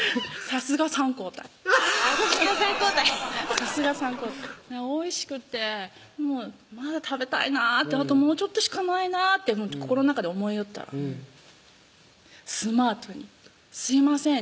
さすが三交代さすが三交代さすが三交代おいしくてまだ食べたいなあともうちょっとしかないなって心の中で思いよったらスマートに「すいません